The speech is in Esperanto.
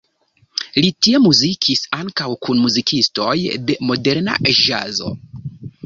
Li tie muzikis ankaŭ kun muzikistoj de moderna ĵazo.